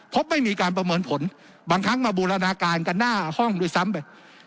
ไม่มีการประเมินผลบางครั้งมาบูรณาการกันหน้าห้องด้วยซ้ำไป